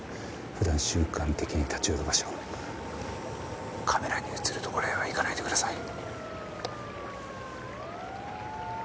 普段習慣的に立ち寄る場所カメラに映る所へは行かないでください。